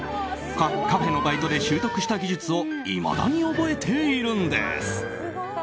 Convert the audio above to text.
カフェのバイトで習得した技術をいまだに覚えているんです。